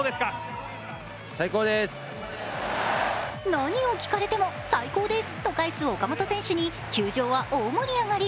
何を聞かれても「最高です！」と返す岡本選手に球場は大盛り上がり。